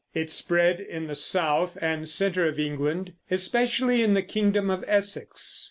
It spread in the south and center of England, especially in the kingdom of Essex.